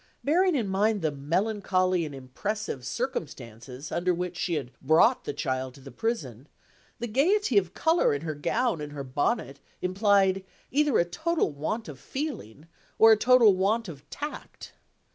Bearing in mind the melancholy and impressive circumstances under which she had brought the child to the prison, the gayety of color in her gown and her bonnet implied either a total want of feeling, or a total want of tact.